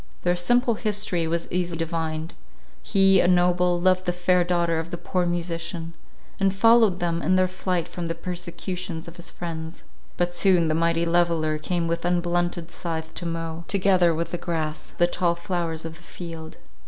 Their simple history was easily divined. He, a noble, loved the fair daughter of the poor musician, and followed them in their flight from the persecutions of his friends; but soon the mighty leveller came with unblunted scythe to mow, together with the grass, the tall flowers of the field.